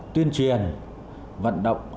tuyên truyền vận động